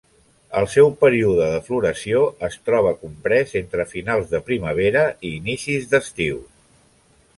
El seu període de floració es troba comprés entre finals de primavera i inicis d'estiu.